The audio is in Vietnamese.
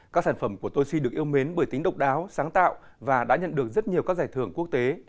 các sản phẩm của toshi được yêu mến bởi tính độc đáo sáng tạo và đã nhận được rất nhiều các giải thưởng quốc tế